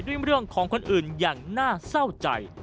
เรื่องของคนอื่นอย่างน่าเศร้าใจ